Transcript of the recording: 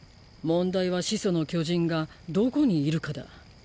問題は始祖の巨人がどこにいるかだ。